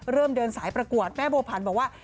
เริ่มเดินสายประกวดแม่บัวผันบอกว่า